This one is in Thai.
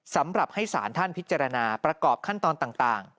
สำหรับให้สารท่านพิจารณาประกอบขั้นตอนต่าง